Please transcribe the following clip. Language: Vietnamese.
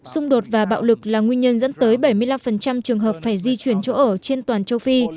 xung đột và bạo lực là nguyên nhân dẫn tới bảy mươi năm trường hợp phải di chuyển chỗ ở trên toàn châu phi